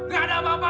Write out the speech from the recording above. gak ada apa apa